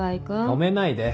止めないで。